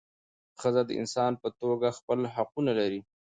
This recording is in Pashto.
ښځه د انسان په توګه خپل حقونه لري.